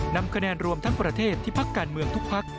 นำคะแนนรวมทั้งประเทศที่พักการเมืองทุกพัก